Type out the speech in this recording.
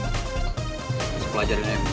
masih pelajarin aja